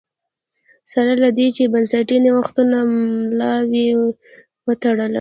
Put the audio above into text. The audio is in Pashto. سره له دې چې بنسټي نوښتونو ملا ور وتړله